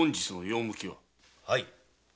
はい。